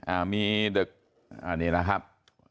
อ่ามีดึกอ่านี่นะครับ